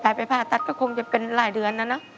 ไปผ่าตัดก็คงจะเป็นหลายเดือนนะเนอะ